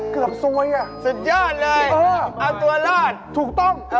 เกือบซวยละสุดยอดเลยเอ้อเอาตัวลาดถูกต้อง